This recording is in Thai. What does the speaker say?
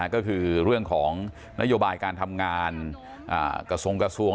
ก็คือเรื่องของนโยบายการทำงานกระทรงกระทรวง